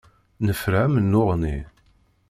Nefra amennuɣ-nni.